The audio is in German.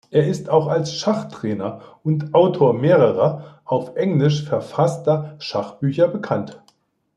Er ist auch als Schachtrainer und Autor mehrerer auf Englisch verfasster Schachbücher bekannt.